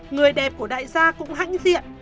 người đẹp của đại gia cũng hãnh diện